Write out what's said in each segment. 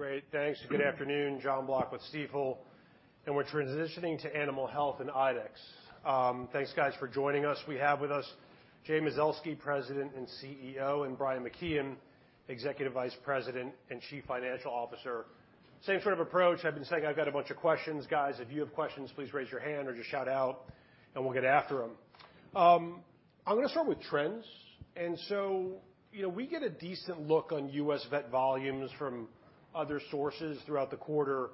Great, thanks. Good afternoon, Jonathan Block with Stifel, we're transitioning to Animal Health and IDEXX. Thanks, guys, for joining us. We have with us Jay Mazelsky, President and CEO, and Brian McKeon, Executive Vice President and Chief Financial Officer. Same sort of approach. I've been saying I've got a bunch of questions. Guys, if you have questions, please raise your hand or just shout out, and we'll get after them. I'm gonna start with trends, you know, we get a decent look on U.S. vet volumes from other sources throughout the quarter,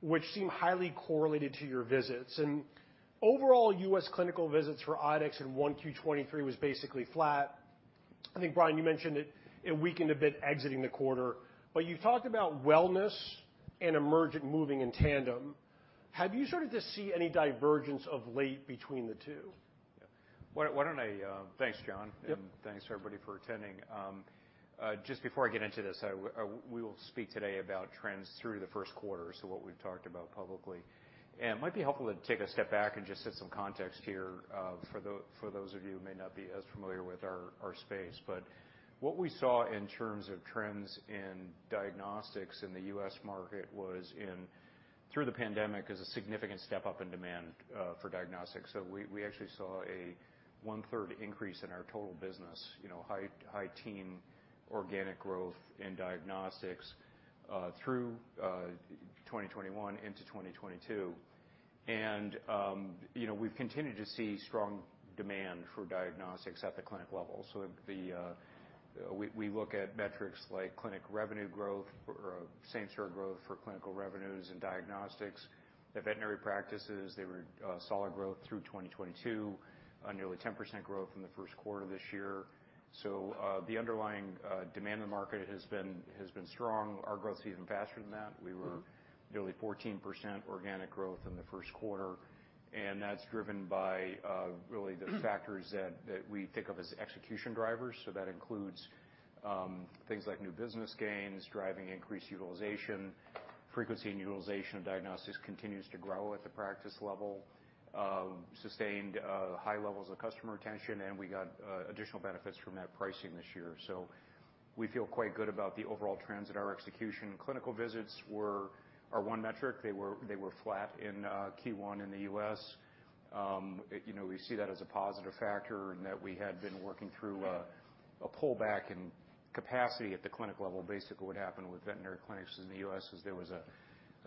which seem highly correlated to your visits. Overall, U.S. clinical visits for IDEXX in 1Q23 was basically flat. I think, Brian, you mentioned it weakened a bit exiting the quarter, but you talked about wellness and emergent moving in tandem. Have you started to see any divergence of late between the two? Yeah. Why don't I, thanks, John. Yep. Thanks, everybody, for attending. Just before I get into this, I, we will speak today about trends through the first quarter, so what we've talked about publicly. It might be helpful to take a step back and just set some context here, for those of you who may not be as familiar with our space. What we saw in terms of trends in diagnostics in the US market was in, through the pandemic, is a significant step up in demand for diagnostics. We actually saw a one-third increase in our total business, you know, high teen organic growth in diagnostics through 2021 into 2022. You know, we've continued to see strong demand for diagnostics at the clinic level. We look at metrics like clinic revenue growth or same-store growth for clinical revenues and diagnostics. The veterinary practices, they were solid growth through 2022, nearly 10% growth in the first quarter this year. The underlying demand in the market has been strong. Our growth's even faster than that. We were nearly 14% organic growth in the first quarter, and that's driven by really the factors that we think of as execution drivers. That includes things like new business gains, driving increased utilization. Frequency and utilization of diagnostics continues to grow at the practice level, sustained high levels of customer retention, and we got additional benefits from that pricing this year. We feel quite good about the overall trends at our execution. Clinical visits were, are one metric. They were flat in Q1 in the U.S. You know, we see that as a positive factor in that we had been working through a pullback in capacity at the clinic level. Basically, what happened with veterinary clinics in the U.S. is there was a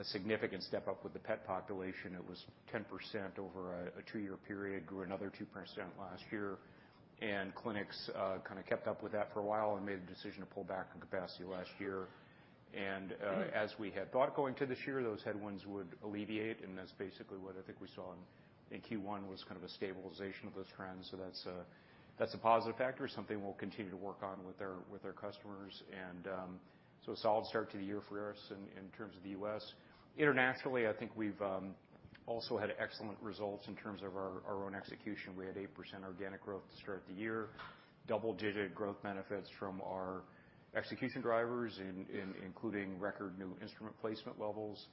significant step up with the pet population. It was 10% over a two-year period, grew another 2% last year, clinics kind of kept up with that for a while and made the decision to pull back on capacity last year. As we had thought going into this year, those headwinds would alleviate, and that's basically what I think we saw in Q1, was kind of a stabilization of those trends. That's a positive factor, something we'll continue to work on with our customers. A solid start to the year for us in terms of the U.S. Internationally, I think we've also had excellent results in terms of our own execution. We had 8% organic growth to start the year, double-digit growth benefits from our execution drivers, including record new instrument placement levels.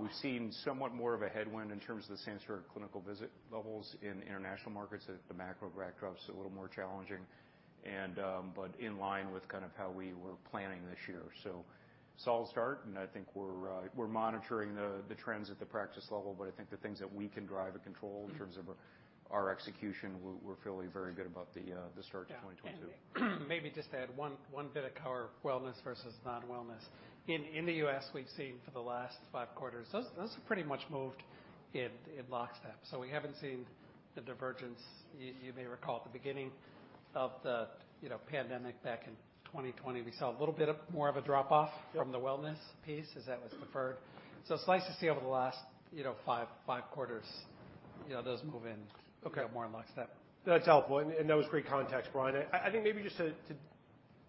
We've seen somewhat more of a headwind in terms of the same-store clinical visit levels in international markets, as the macro backdrop's a little more challenging and, but in line with kind of how we were planning this year. Solid start, and I think we're monitoring the trends at the practice level, but I think the things that we can drive and control in terms of our execution, we're feeling very good about the start to 2022. Yeah. Maybe just to add one bit of color, wellness versus non-wellness. In the U.S., we've seen for the last five quarters, those are pretty much moved in lockstep. We haven't seen the divergence. You may recall at the beginning of the, you know, pandemic back in 2020, we saw a little bit more of a drop-off. Yep From the wellness piece as that was preferred. It's nice to see over the last, you know, five quarters, you know, those move. Okay More in lockstep. That's helpful, and that was great context, Brian. I think maybe just to,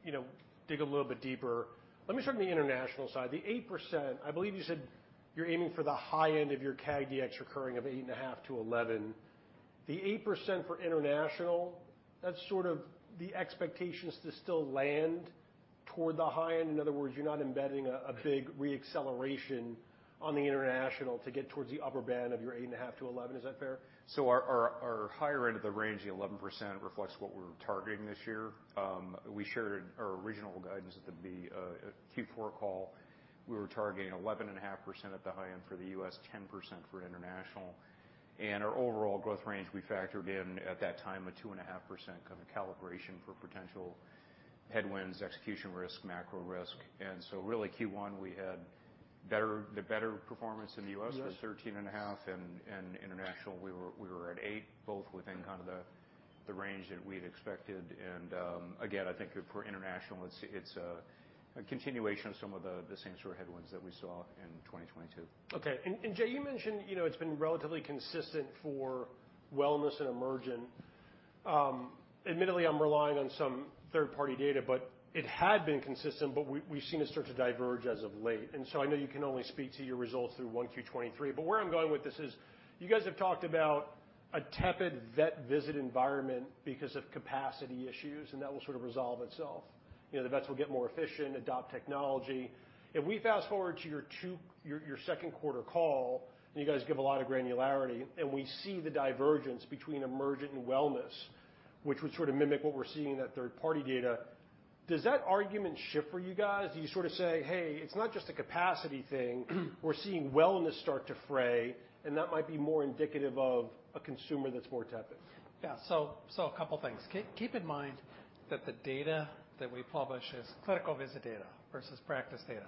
you know, dig a little bit deeper, let me start on the international side. The 8%, I believe you said you're aiming for the high end of your CAGDX recurring of 8.5-11. The 8% for international, that's sort of the expectations to still land toward the high end? In other words, you're not embedding a big reacceleration on the international to get towards the upper band of your 8.5-11. Is that fair? Our higher end of the range, the 11%, reflects what we're targeting this year. We shared our original guidance at the Q4 call. We were targeting 11.5% at the high end for the U.S., 10% for international, and our overall growth range, we factored in, at that time, a 2.5% kind of calibration for potential headwinds, execution risk, macro risk. Really, Q1, we had better performance in the U.S. Yes Was 13.5%, and international, we were at 8%, both within kind of the range that we'd expected. Again, I think for international, it's a continuation of some of the same sort of headwinds that we saw in 2022. Okay. Jay, you mentioned, you know, it's been relatively consistent for wellness and emergent. Admittedly, I'm relying on some third-party data, but it had been consistent, but we've seen it start to diverge as of late. I know you can only speak to your results through 1Q23, but where I'm going with this is, you guys have talked about a tepid vet visit environment because of capacity issues, and that will sort of resolve itself. You know, the vets will get more efficient, adopt technology. If we fast-forward to your second quarter call, and you guys give a lot of granularity, and we see the divergence between emergent and wellness, which would sort of mimic what we're seeing in that third-party data. Does that argument shift for you guys? Do you sort of say, "Hey, it's not just a capacity thing. We're seeing wellness start to fray, and that might be more indicative of a consumer that's more tepid? Yeah. A couple of things. Keep in mind that the data that we publish is clinical visit data versus practice data.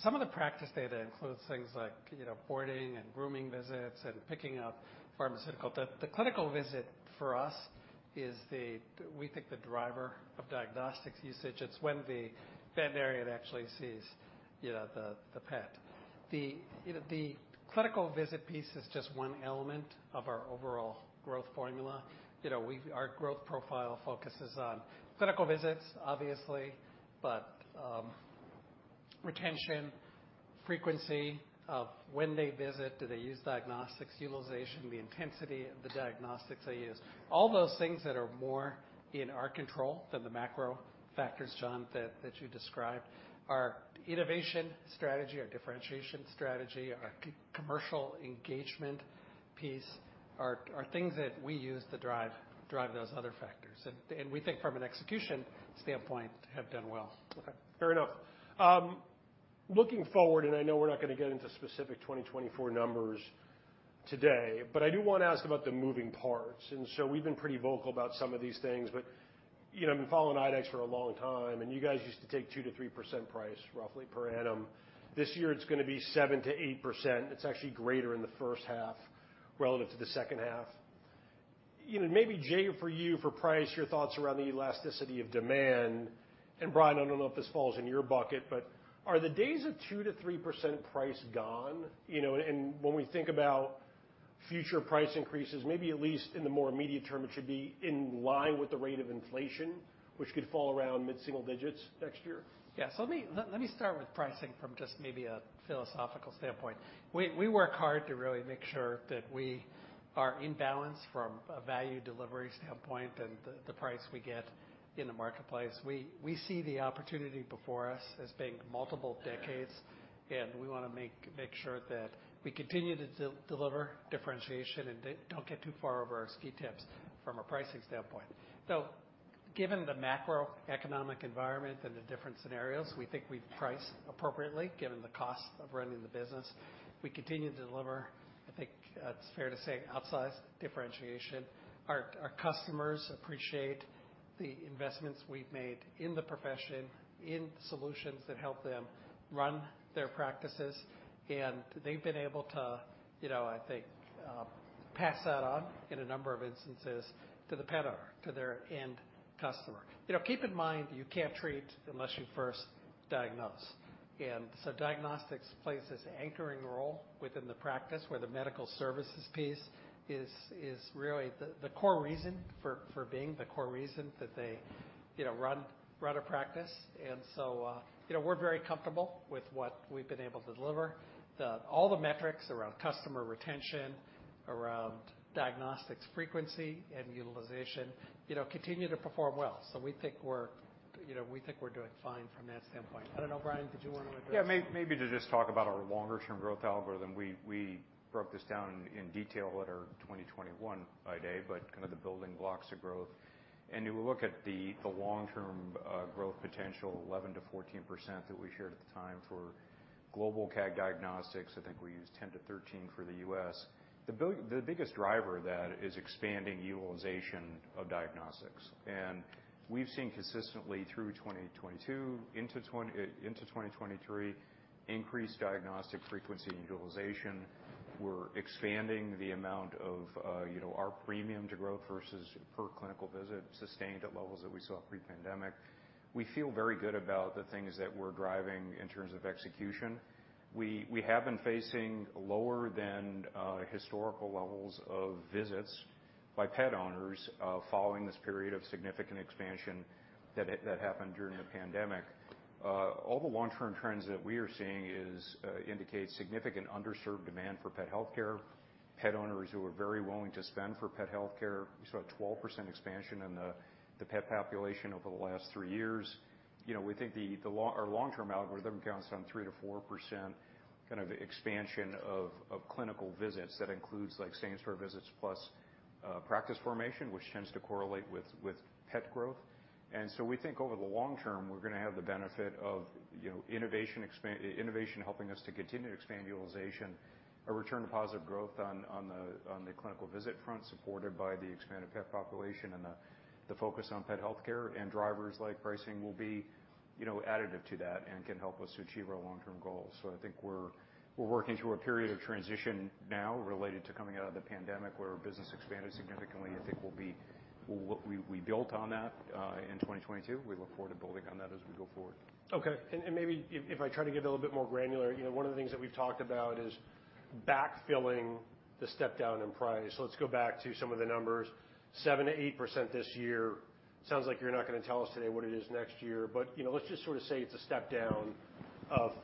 Some of the practice data includes things like, you know, boarding and grooming visits and picking up pharmaceutical. The clinical visit, for us, is the, we think, the driver of diagnostics usage. It's when the veterinarian actually sees, you know, the pet. You know, the clinical visit piece is just one element of our overall growth formula. You know, our growth profile focuses on clinical visits, obviously, but retention, frequency of when they visit, do they use diagnostics, utilization, the intensity of the diagnostics they use. All those things that are more in our control than the macro factors, John, that you described. Our innovation strategy, our differentiation strategy, our commercial engagement piece are things that we use to drive those other factors, and we think from an execution standpoint, have done well. Okay, fair enough. Looking forward, I know we're not gonna get into specific 2024 numbers today, but I do want to ask about the moving parts. We've been pretty vocal about some of these things, but, you know, I've been following IDEXX for a long time, you guys used to take 2%-3% price, roughly, per annum. This year, it's gonna be 7%-8%. It's actually greater in the first half relative to the second half. You know, maybe, Jay, for you, for price, your thoughts around the elasticity of demand, Brian, I don't know if this falls in your bucket, but are the days of 2%-3% price gone? You know, when we think about future price increases, maybe at least in the more immediate term, it should be in line with the rate of inflation, which could fall around mid-single digits next year. Yeah. Let me start with pricing from just maybe a philosophical standpoint. We work hard to really make sure that we are in balance from a value delivery standpoint and the price we get in the marketplace. We see the opportunity before us as being multiple decades, and we wanna make sure that we continue to deliver differentiation and don't get too far over our ski tips from a pricing standpoint. Given the macroeconomic environment and the different scenarios, we think we've priced appropriately, given the cost of running the business. We continue to deliver, I think, it's fair to say, outsized differentiation. Our customers appreciate the investments we've made in the profession, in solutions that help them run their practices, and they've been able to, you know, I think, pass that on in a number of instances to the pet owner, to their end customer. You know, keep in mind, you can't treat unless you first diagnose. Diagnostics plays this anchoring role within the practice, where the medical services piece is really the core reason for being, the core reason that they, you know, run a practice. You know, we're very comfortable with what we've been able to deliver. All the metrics around customer retention, around diagnostics frequency and utilization, you know, continue to perform well. We think we're, you know, we think we're doing fine from that standpoint. I don't know, Brian, did you want to address? Yeah, maybe to just talk about our longer-term growth algorithm. We broke this down in detail at our 2021 Investor Day, but kind of the building blocks of growth. If you look at the long-term growth potential, 11%-14%, that we shared at the time for global CAG diagnostics, I think we used 10%-13% for the US. The biggest driver of that is expanding utilization of diagnostics, and we've seen consistently through 2022 into 2023, increased diagnostic frequency and utilization. We're expanding the amount of, you know, our premium to growth versus per clinical visit, sustained at levels that we saw pre-pandemic. We feel very good about the things that we're driving in terms of execution. We have been facing lower than historical levels of visits by pet owners following this period of significant expansion that happened during the pandemic. All the long-term trends that we are seeing is indicate significant underserved demand for pet healthcare, pet owners who are very willing to spend for pet healthcare. We saw a 12% expansion in the pet population over the last three years. You know, we think Our long-term algorithm counts on 3%-4% kind of expansion of clinical visits. That includes, like, same store visits plus practice formation, which tends to correlate with pet growth. we think over the long term, we're gonna have the benefit of, you know, innovation helping us to continue to expand utilization, a return to positive growth on the clinical visit front, supported by the expanded pet population and the focus on pet healthcare, and drivers like pricing will be, you know, additive to that and can help us to achieve our long-term goals. I think we're working through a period of transition now related to coming out of the pandemic, where our business expanded significantly. We built on that in 2022. We look forward to building on that as we go forward. Okay. Maybe if I try to get a little bit more granular, you know, one of the things that we've talked about is backfilling the step down in price. Let's go back to some of the numbers, 7%-8% this year. Sounds like you're not gonna tell us today what it is next year, you know, let's just sort of say it's a step down.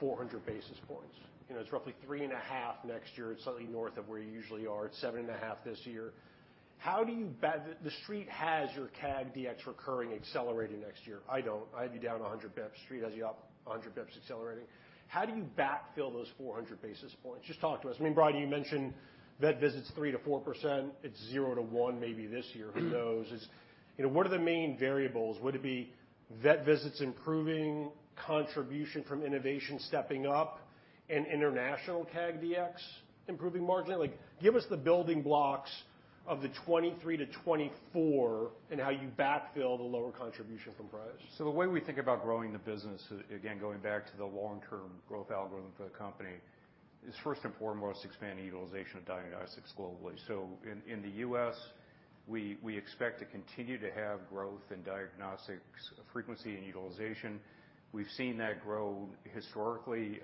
400 basis points. You know, it's roughly 3.5 next year. It's slightly north of where you usually are. It's 7.5 this year. How do you the Street has your CAGDX recurring accelerating next year. I don't. I have you down 100 basis points. Street has you up 100 basis points accelerating. How do you backfill those 400 basis points? Just talk to us. I mean, Brian, you mentioned vet visits 3%-4%. It's 0%-1%, maybe this year, who knows? It's, you know, what are the main variables? Would it be vet visits improving, contribution from innovation stepping up, and international CAGDX improving marginally? Like, give us the building blocks of the 2023 to 2024 and how you backfill the lower contribution from price. The way we think about growing the business, again, going back to the long-term growth algorithm for the company, is first and foremost, expanding utilization of diagnostics globally. In the U.S., we expect to continue to have growth in diagnostics, frequency and utilization. We've seen that grow historically.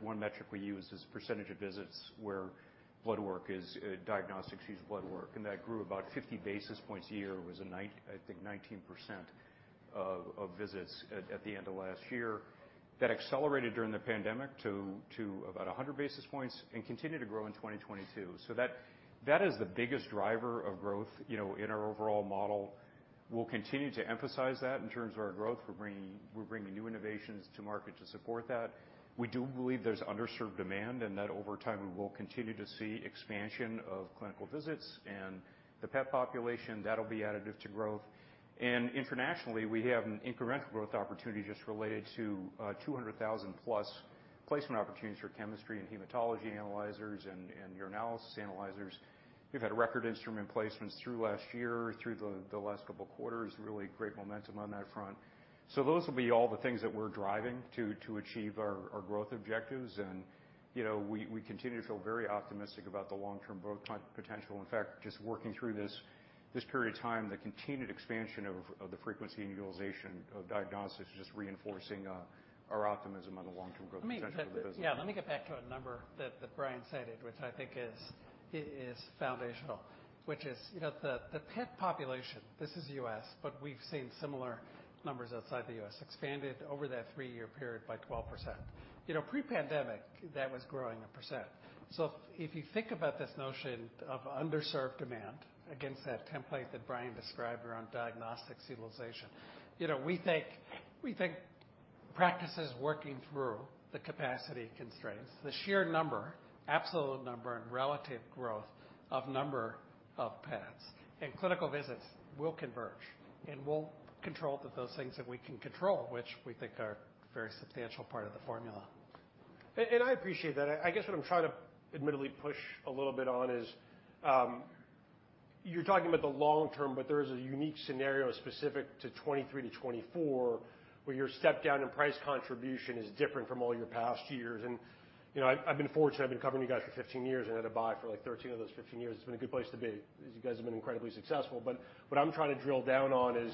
One metric we use is percentage of visits where blood work is, diagnostics use blood work, and that grew about 50 basis points a year. It was I think 19% of visits at the end of last year. That accelerated during the pandemic to about 100 basis points and continued to grow in 2022. That is the biggest driver of growth, you know, in our overall model. We'll continue to emphasize that in terms of our growth. We're bringing new innovations to market to support that. We do believe there's underserved demand, and that over time, we will continue to see expansion of clinical visits and the pet population. That'll be additive to growth. Internationally, we have an incremental growth opportunity just related to 200,000-plus placement opportunities for chemistry and hematology analyzers and urinalysis analyzers. We've had record instrument placements through last year, through the last couple of quarters, really great momentum on that front. Those will be all the things that we're driving to achieve our growth objectives. You know, we continue to feel very optimistic about the long-term growth potential. In fact, just working through this period of time, the continued expansion of the frequency and utilization of diagnostics is just reinforcing our optimism on the long-term growth potential for the business. I mean, yeah, let me get back to a number that Brian cited, which I think is foundational, which is, you know, the pet population, this is U.S., but we've seen similar numbers outside the U.S., expanded over that three-year period by 12%. You know, pre-pandemic, that was growing 1%. If you think about this notion of underserved demand against that template that Brian described around diagnostics utilization, you know, we think practices working through the capacity constraints, the sheer number, absolute number, and relative growth of number of pets and clinical visits will converge, and we'll control those things that we can control, which we think are a very substantial part of the formula. I appreciate that. I guess what I'm trying to admittedly push a little bit on is, you're talking about the long term, but there is a unique scenario specific to 2023-2024, where your step down in price contribution is different from all your past years. You know, I've been fortunate. I've been covering you guys for 15 years and had a buy for, like, 13 of those 15 years. It's been a good place to be, as you guys have been incredibly successful. What I'm trying to drill down on is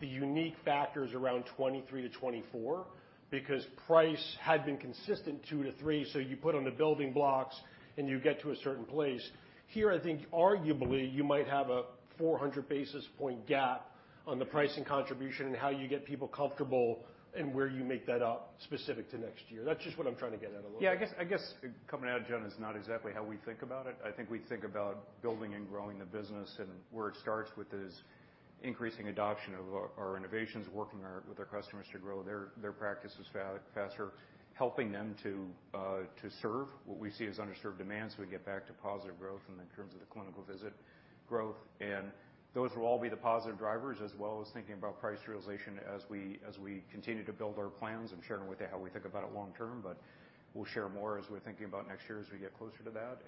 the unique factors around 2023-2024, because price had been consistent 2%-3%, so you put on the building blocks, and you get to a certain place. Here, I think arguably, you might have a 400 basis point gap on the pricing contribution and how you get people comfortable and where you make that up specific to next year. That's just what I'm trying to get at a little bit. Yeah, I guess, I guess coming out, John, is not exactly how we think about it. I think we think about building and growing the business, and where it starts with is increasing adoption of our innovations, working with our customers to grow their practices faster, helping them to serve what we see as underserved demand, so we get back to positive growth in the terms of the clinical visit growth. Those will all be the positive drivers, as well as thinking about price realization as we continue to build our plans and sharing with you how we think about it long term. We'll share more as we're thinking about next year, as we get closer to that.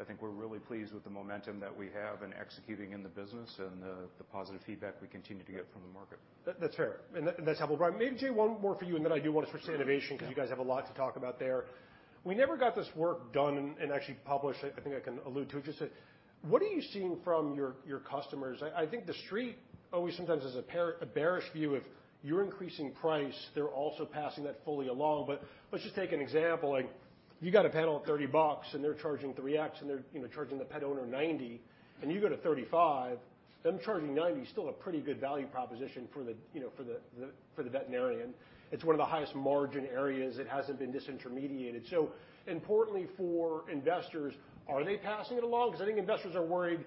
I think we're really pleased with the momentum that we have in executing in the business and the positive feedback we continue to get from the market. That's fair. That's helpful. Brian, maybe, Jay, one more for you. I do want to switch to innovation. Yeah. because you guys have a lot to talk about there. We never got this work done and, actually published. I think I can allude to it, just say, what are you seeing from your customers? I think the Street always sometimes has a bearish view of you're increasing price. They're also passing that fully along. Let's just take an example. Like, you got a panel at $30, and they're charging 3x, and they're, you know, charging the pet owner $90, and you go to $35, them charging $90 is still a pretty good value proposition for the, you know, for the veterinarian. It's one of the highest margin areas that hasn't been disintermediated. Importantly for investors, are they passing it along? I think investors are worried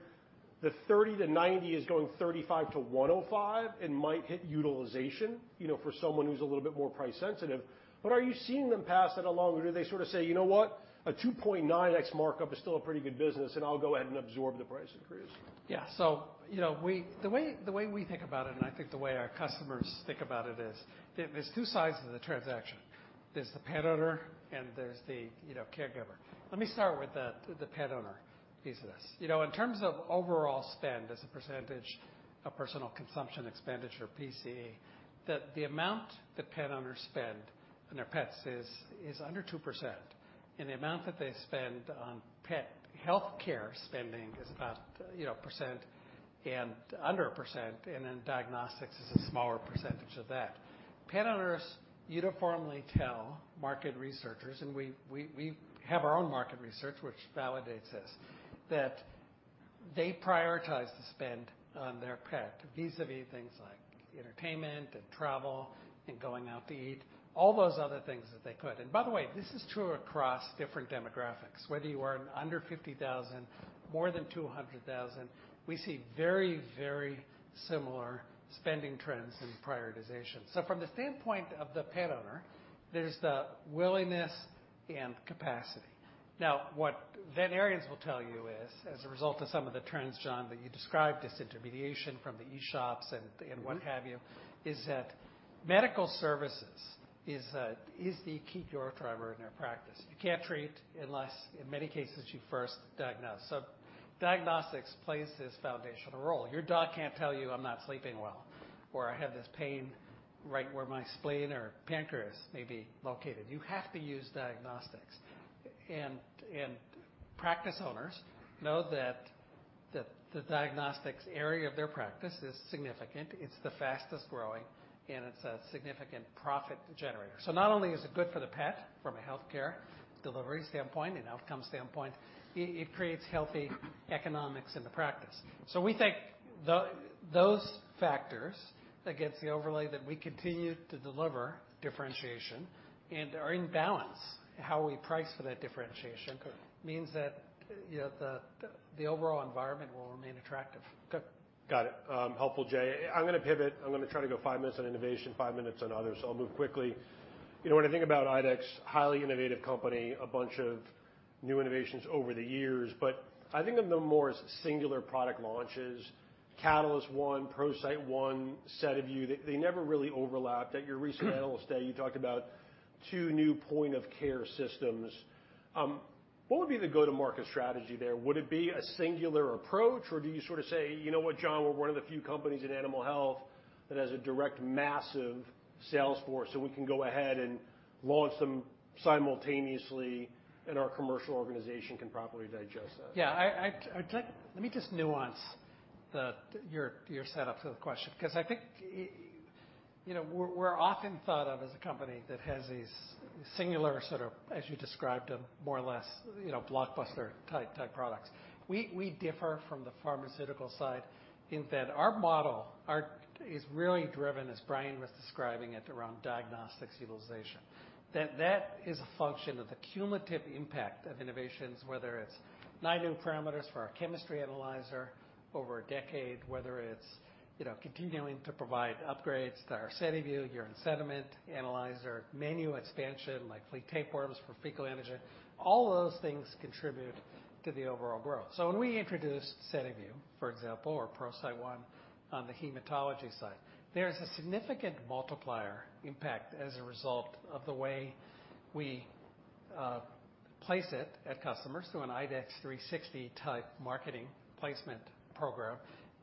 the 30-90 is going 35-105 and might hit utilization, you know, for someone who's a little bit more price sensitive. Are you seeing them pass that along, or do they sort of say, "You know what? A 2.9x markup is still a pretty good business, and I'll go ahead and absorb the price increase? You know, the way we think about it, and I think the way our customers think about it, is there's two sides of the transaction. There's the pet owner, and there's the, you know, caregiver. Let me start with the pet owner piece of this. You know, in terms of overall spend as a percentage of personal consumption expenditure, PCE, the amount that pet owners spend on their pets is under 2%, and the amount that they spend on pet healthcare spending is about, you know, 1% and under 1%, and then diagnostics is a smaller percentage of that. Pet owners uniformly tell market researchers, and we have our own market research, which validates this. they prioritize the spend on their pet vis-a-vis things like entertainment and travel and going out to eat, all those other things that they could. By the way, this is true across different demographics. Whether you are under 50,000, more than 200,000, we see very, very similar spending trends and prioritization. From the standpoint of the pet owner, there's the willingness and capacity. Now, what veterinarians will tell you is, as a result of some of the trends, John, that you described, disintermediation from the eShops and what have you, is that medical services is the key growth driver in their practice. You can't treat unless, in many cases, you first diagnose. Diagnostics plays this foundational role. Your dog can't tell you, "I'm not sleeping well," or, "I have this pain right where my spleen or pancreas may be located." You have to use diagnostics. Practice owners know that the diagnostics area of their practice is significant, it's the fastest-growing, and it's a significant profit generator. Not only is it good for the pet from a healthcare delivery standpoint and outcome standpoint, it creates healthy economics in the practice. We think those factors that gets the overlay, that we continue to deliver differentiation and are in balance, how we price for that differentiation. Okay. means that, you know, the overall environment will remain attractive. Okay. Got it. helpful, Jay. I'm gonna pivot. I'm gonna try to go five minutes on innovation, five minutes on others, so I'll move quickly. You know, when I think about IDEXX, highly innovative company, a bunch of new innovations over the years, but I think of them more as singular product launches. Catalyst One, ProCyte One, SediVue Dx, they never really overlapped. At your recent Investor Day, you talked about two new point-of-care systems. What would be the go-to-market strategy there? Would it be a singular approach, or do you sort of say, "You know what, John? We're one of the few companies in animal health that has a direct, massive sales force, so we can go ahead and launch them simultaneously, and our commercial organization can properly digest that? Yeah, I, let me just nuance the your setup for the question because I think, you know, we're often thought of as a company that has these singular, sort of, as you described them, more or less, you know, blockbuster-type products. We differ from the pharmaceutical side in that our model, our is really driven, as Brian McKeon was describing it, around diagnostics utilization. That is a function of the cumulative impact of innovations, whether it's nine new parameters for our chemistry analyzer over a decade, whether it's, you know, continuing to provide upgrades to our SediVue Dx urine sediment analyzer, menu expansion, like flea tapeworms for Fecal Dx antigen. All those things contribute to the overall growth. When we introduce SediVue Dx, for example, or ProCyte One on the hematology side, there is a significant multiplier impact as a result of the way we place it at customers through an IDEXX 360-type marketing placement program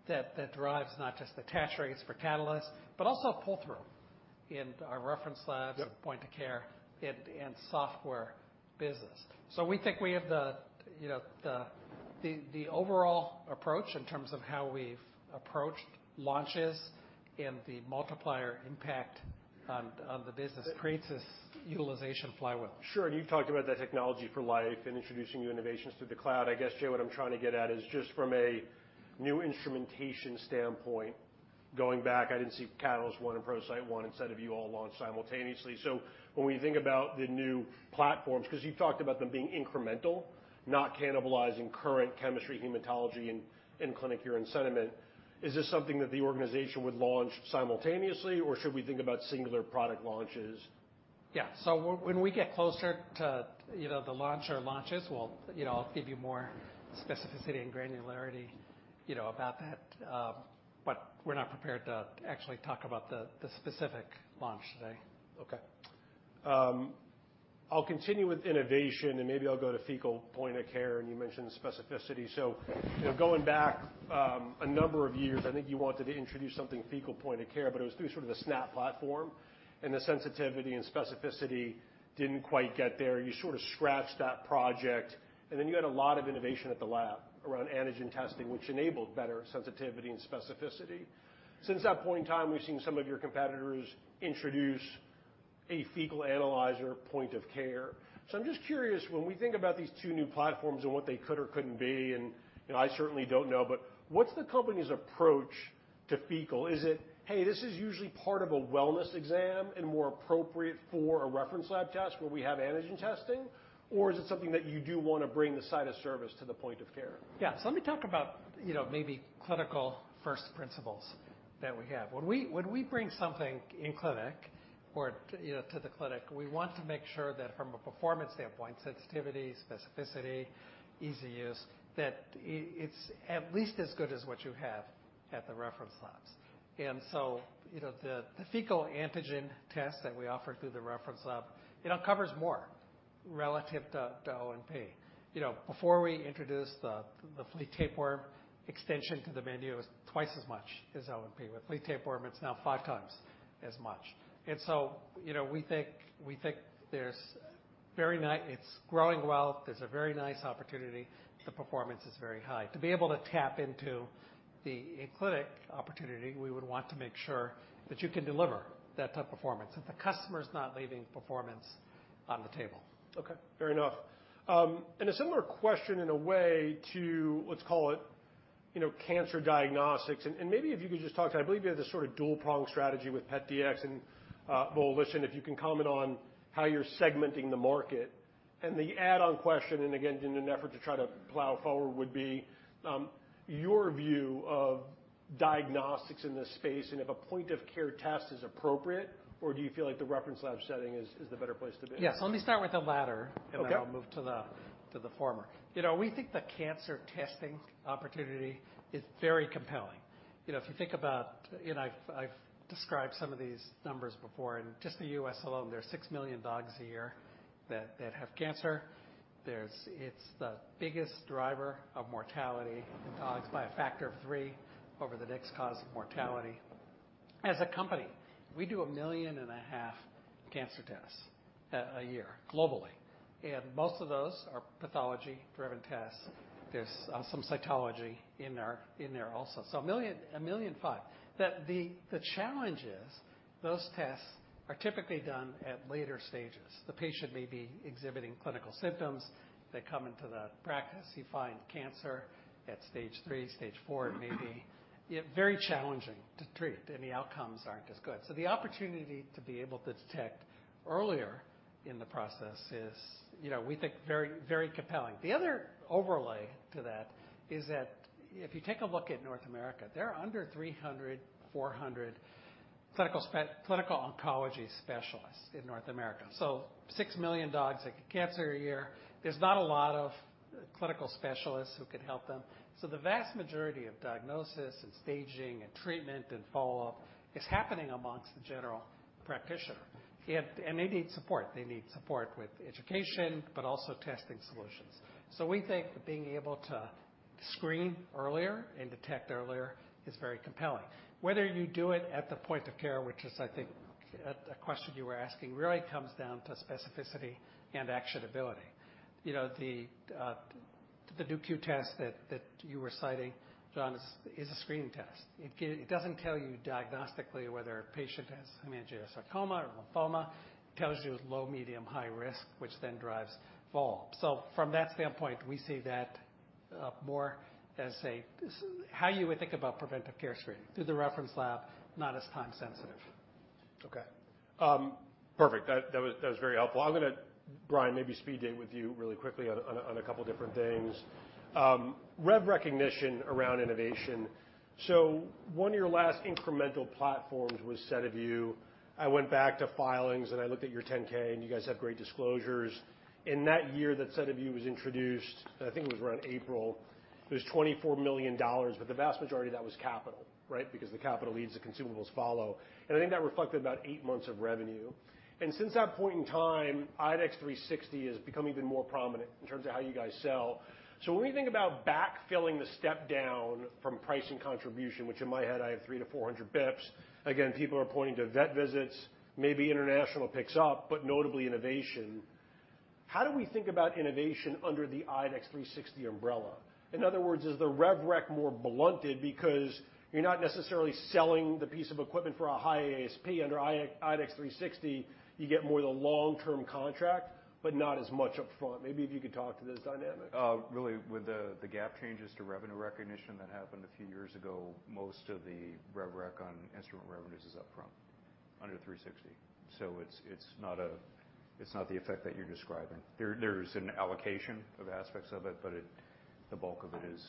that drives not just the attach rates for Catalyst, but also pull-through in our reference labs. Yep. point of care and software business. We think we have the, you know, the overall approach in terms of how we've approached launches and the multiplier impact on the business creates this utilization flywheel. Sure. You've talked about the Technology for Life and introducing new innovations through the cloud. I guess, Jay, what I'm trying to get at is just from a new instrumentation standpoint, going back, I didn't see Catalyst One and ProCyte One and SediVue Dx all launched simultaneously. When we think about the new platforms, because you've talked about them being incremental, not cannibalizing current chemistry, hematology, and clinic urine sediment, is this something that the organization would launch simultaneously, or should we think about singular product launches? Yeah. When we get closer to, you know, the launch or launches, we'll. You know, I'll give you more specificity and granularity, you know, about that, but we're not prepared to actually talk about the specific launch today. Okay. I'll continue with innovation, maybe I'll go to fecal point of care, you mentioned specificity. You know, going back, a number of years, I think you wanted to introduce something fecal point of care, but it was through sort of the SNAP platform, the sensitivity and specificity didn't quite get there. You sort of scratched that project, then you had a lot of innovation at the lab around antigen testing, which enabled better sensitivity and specificity. Since that point in time, we've seen some of your competitors introduce a fecal analyzer point of care. I'm just curious, when we think about these two new platforms and what they could or couldn't be, and, you know, I certainly don't know, but what's the company's approach to fecal? Is it, hey, this is usually part of a wellness exam and more appropriate for a reference lab test where we have antigen testing, or is it something that you do want to bring the site of service to the point of care? Yeah. Let me talk about, you know, maybe clinical first principles that we have. When we bring something in clinic or, you know, to the clinic, we want to make sure that from a performance standpoint, sensitivity, specificity, easy use, that it's at least as good as what you have at the reference labs. You know, the Fecal Dx antigen test that we offer through the reference lab, it covers more relative to OMP. You know, before we introduced the flea tapeworm extension to the menu, it was twice as much as OMP. With flea tapeworm, it's now five times as much. You know, we think it's growing well, there's a very nice opportunity. The performance is very high. To be able to tap into the in-clinic opportunity, we would want to make sure that you can deliver that type of performance, that the customer is not leaving performance on the table. Okay, fair enough. A similar question in a way to, you know, cancer diagnostics, and maybe if you could just talk to, I believe you have this sort of dual-prong strategy with PetDx and Volition. If you can comment on how you're segmenting the market. The add-on question, and again, in an effort to try to plow forward, would be, your view of diagnostics in this space, and if a point-of-care test is appropriate, or do you feel like the reference lab setting is the better place to be? Yes. Let me start with the latter- Okay. I'll move to the former. You know, we think the cancer testing opportunity is very compelling. You know, if you think about. I've described some of these numbers before. In just the U.S. alone, there are 6 million dogs a year that have cancer. It's the biggest driver of mortality in dogs by a factor of three over the next cause of mortality. As a company, we do 1.5 million cancer tests a year, globally, and most of those are pathology-driven tests. There's some cytology in there also, so 1.5 million. The challenge is, those tests are typically done at later stages. The patient may be exhibiting clinical symptoms. They come into the practice, you find cancer at stage three, stage four, maybe. Yet very challenging to treat, and the outcomes aren't as good. The opportunity to be able to detect earlier in the process is, you know, we think very, very compelling. The other overlay to that is that if you take a look at North America, there are under 300, 400 clinical oncology specialists in North America. 6 million dogs with cancer a year. There's not a lot of clinical specialists who can help them, so the vast majority of diagnosis and staging and treatment and follow-up is happening amongst the general practitioner. They need support. They need support with education, but also testing solutions. We think that being able to screen earlier and detect earlier is very compelling. Whether you do it at the point of care, which is, I think, at a question you were asking, really comes down to specificity and actionability. You know, the 4Dx test that you were citing, John, is a screening test. It doesn't tell you diagnostically whether a patient has hemangiosarcoma or lymphoma. It tells you low, medium, high risk, which then drives follow-up. From that standpoint, we see that more as a, how you would think about preventive care screening through the reference lab, not as time sensitive. Okay. Perfect. That was very helpful. I'm gonna, Brian, maybe speed date with you really quickly on a couple different things. Rev recognition around innovation. One of your last incremental platforms was SediVue. I went back to filings, I looked at your 10-K, and you guys have great disclosures. In that year that SediVue was introduced, I think it was around April, it was $24 million, the vast majority of that was capital, right? Because the capital leads, the consumables follow, and I think that reflected about eight months of revenue. Since that point in time, IDEXX 360 is becoming even more prominent in terms of how you guys sell. When we think about backfilling the step down from pricing contribution, which in my head, I have 300-400 bips. People are pointing to vet visits, maybe international picks up, but notably innovation. How do we think about innovation under the IDEXX 360 umbrella? In other words, is the rev rec more blunted because you're not necessarily selling the piece of equipment for a high ASP? Under IDEXX 360, you get more the long-term contract, but not as much upfront. Maybe if you could talk to this dynamic. Really, with the GAAP changes to revenue recognition that happened a few years ago, most of the rev rec on instrument revenues is upfront, under IDEXX 360. It's not the effect that you're describing. There's an allocation of aspects of it, but the bulk of it is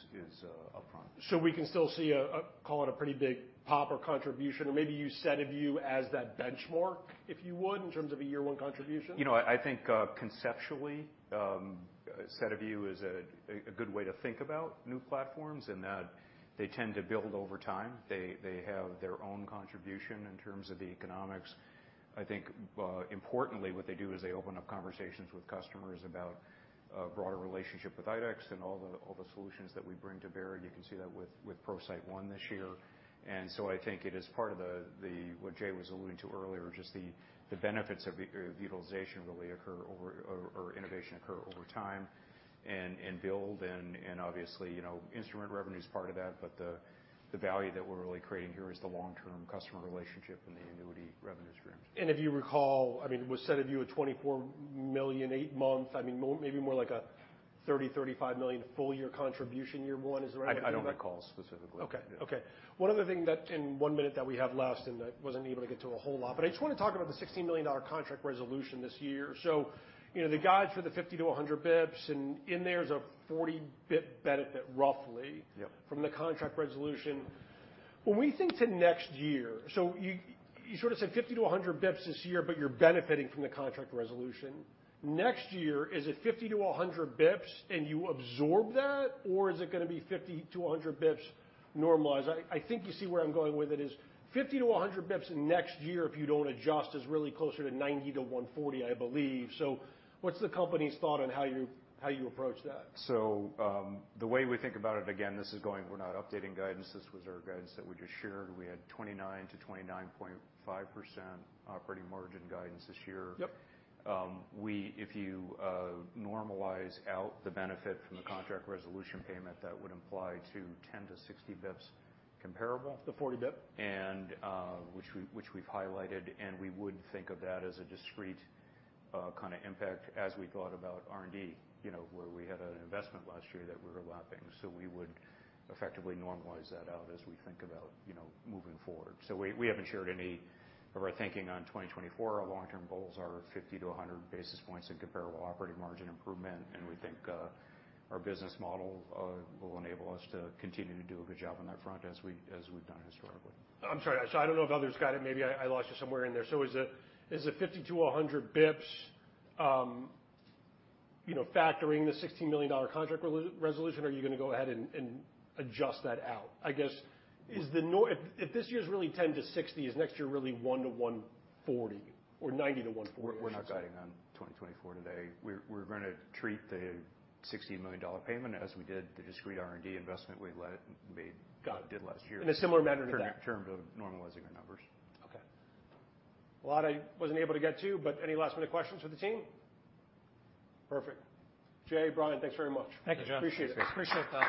upfront. We can still see a, call it, a pretty big pop or contribution, or maybe use SediVue as that benchmark, if you would, in terms of a year one contribution? You know, I think conceptually, SediVue is a good way to think about new platforms, in that they tend to build over time. They, they have their own contribution in terms of the economics. I think importantly, what they do is they open up conversations with customers about a broader relationship with IDEXX and all the, all the solutions that we bring to bear, and you can see that with ProCyte One this year. I think it is part of what Jay was alluding to earlier, just the benefits of utilization really occur over or innovation occur over time and build and obviously, you know, instrument revenue is part of that, but the value that we're really creating here is the long-term customer relationship and the annuity revenues streams. If you recall, I mean, with SediVue at $24 million, eight months, I mean, more, maybe more like a $30 million-$35 million full year contribution, year one. Is that right? I don't recall specifically. Okay. One other thing that, in one minute that we have left, and I wasn't able to get to a whole lot, but I just want to talk about the $16 million contract resolution this year. You know, the guide for the 50 to 100 basis points, and in there is a 40 basis point benefit, roughly. Yep. From the contract resolution. When we think to next year. You sort of said 50 to 100 basis points this year, but you're benefiting from the contract resolution. Next year, is it 50 to 100 basis points, and you absorb that, or is it gonna be 50 to 100 basis points normalized? I think you see where I'm going with it, is 50 to 100 basis points next year, if you don't adjust, is really closer to 90 to 140 basis points, I believe. What's the company's thought on how you, how you approach that? The way we think about it, again, We're not updating guidance. This was our guidance that we just shared. We had 29%-29.5% operating margin guidance this year. Yep. If you normalize out the benefit from the contract resolution payment, that would imply to 10-60 basis points comparable. The 40 bip. Which we've highlighted, we would think of that as a discrete kind of impact as we thought about R&D, you know, where we had an investment last year that we're lapping. We would effectively normalize that out as we think about, you know, moving forward. We haven't shared any of our thinking on 2024. Our long-term goals are 50 to 100 basis points in comparable operating margin improvement. We think our business model will enable us to continue to do a good job on that front as we, as we've done historically. I'm sorry. I don't know if others got it. Maybe I lost you somewhere in there. Is it 50 to 100 bips, you know, factoring the $16 million contract resolution, or are you gonna go ahead and adjust that out? I guess, if this year's really 10 to 60, is next year really one to 140 or 90 to 140? We're not guiding on 2024 today. We're gonna treat the $16 million payment as we did the discrete R&D investment we led. Got it. did last year. In a similar manner to that. In terms of normalizing our numbers. Okay. A lot I wasn't able to get to. Any last-minute questions for the team? Perfect. Jay, Brian, thanks very much. Thank you, John. Appreciate it. Appreciate the time.